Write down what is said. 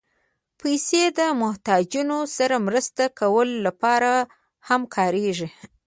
پېسې د محتاجانو سره مرسته کولو لپاره هم کارېږي.